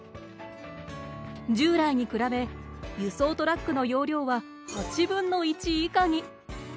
従来に比べ輸送トラックの容量は８分の１以下に。